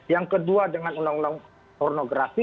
yang kedua dengan undang undang pornografi